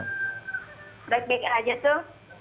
biasa biasa aja tuh